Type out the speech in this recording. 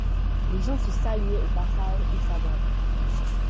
Les gens se saluaient au passage ou s’abordaient